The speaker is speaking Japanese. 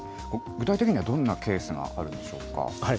具体的にはどんなケースがあるんでしょうか。